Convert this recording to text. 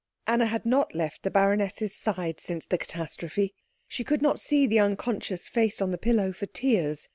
Anna had not left the baroness's side since the catastrophe. She could not see the unconscious face on the pillow for tears.